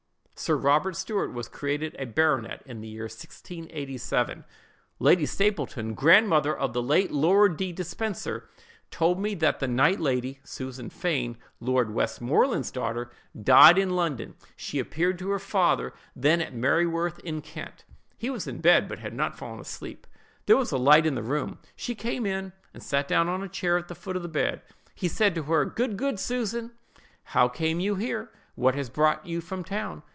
"Sir Robert Stuart was created a baronet in the year 1687. "Lady Stapleton, grandmother of the late Lord le Despencer, told me that the night Lady Susan Fane (Lord Westmoreland's daughter) died in London, she appeared to her father, then at Merriworth, in Kent. He was in bed, but had not fallen asleep. There was a light in the room; she came in, and sat down on a chair at the foot of the bed. He said to her, 'Good God, Susan! how came you here? What has brought you from town?